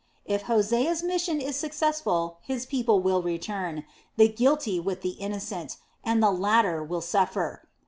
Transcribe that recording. If Hosea's mission is successful his people will return the guilty with the innocent and the latter will suffer.